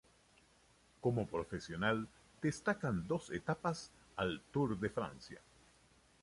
Como profesional destacan dos etapas al Tour de Francia.